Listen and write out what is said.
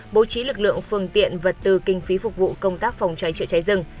bố trí lực lượng phương tiện vật tư kinh phí phục vụ công tác phòng cháy chữa cháy rừng